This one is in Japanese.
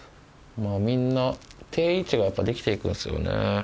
みんな定位置がやっぱできて行くんですよね。